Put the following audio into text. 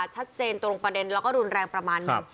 ชัดเจนตรงประเด็นแล้วก็รุนแรงประมาณหนึ่ง